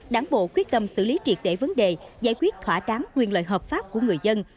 đảng bộ quyết tâm xử lý triệt để vấn đề giải quyết thỏa tráng quyền lợi hợp pháp của người dân